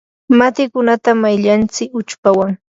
matikunata mayllantsik uchpawan.